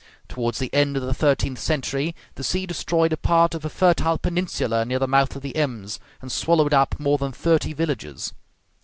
Towards the end of the thirteenth century, the sea destroyed a part of a fertile peninsula near the mouth of the Ems, and swallowed up more than thirty villages.